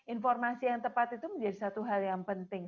informasi yang tepat itu menjadi satu hal yang penting